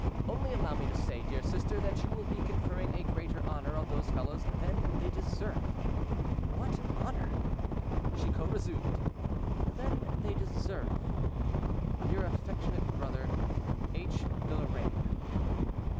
"Only allow me to say, dear sister, that you will be conferring a greater honor on those fellows than they deserve." "What honor?" Chicot resumed:— "Than they deserve. "Your affectionate brother. "H. DE LORRAINE."